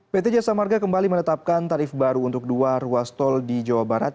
pt jasa marga kembali menetapkan tarif baru untuk dua ruas tol di jawa barat